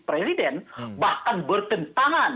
presiden bahkan bertentangan